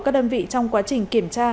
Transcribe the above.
các đơn vị trong quá trình kiểm tra